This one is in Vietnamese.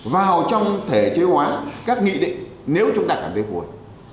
vào trong thể chế hóa các nghị định nếu chúng ta cảm thấy vui